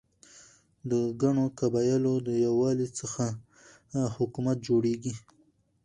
د ګڼو قبایلو د یووالي څخه حکومت جوړيږي.